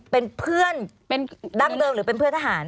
เป็นเพื่อนเป็นดั้งเดิมหรือเป็นเพื่อนทหาร